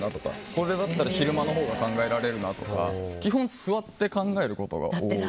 これだったら昼間のほうが考えられるなとか基本座って考えることが多いです。